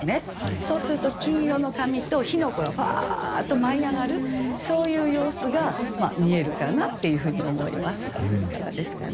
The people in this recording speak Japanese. そうすると金色の紙と火の粉がパーッと舞い上がるそういう様子が見えるかなっていうふうに思いますがいかがですかね？